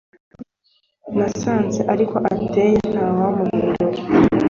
Nasanze ariko ateye ntawamuhindura